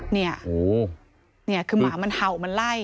นี่คือหมามันเห่ามันไล่